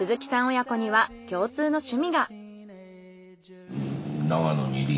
親子には共通の趣味が。